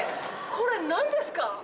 これ何ですか？